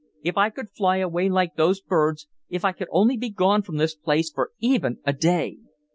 If I could fly away like those birds, if I could only be gone from this place for even a day!"